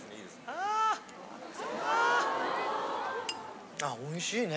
・あっおいしいね。